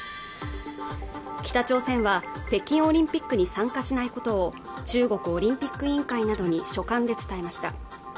北朝鮮は北京オリンピックに参加しないことを中国オリンピック委員会などに書簡で伝えました